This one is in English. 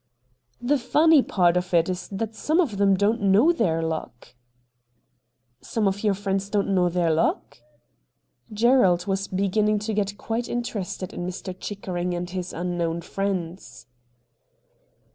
' The funny part of it is that some of them don't know their luck.' ' Some of your friends don't know their luck ?' Gerald was beginning to get quite in terested in Mr. Chickering and his unknown friends.